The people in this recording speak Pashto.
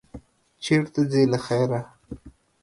چېرته ځې، له خیره؟